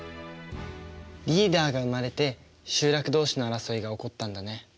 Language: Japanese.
リーダーが生まれて集落同士の争いが起こったんだね。